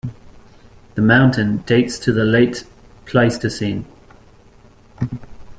The mountain dates to the Late Pleistocene.